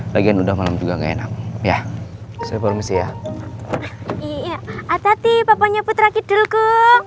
bagian udah malam juga enak ya saya promosi ya iya atati papanya putra kidul ke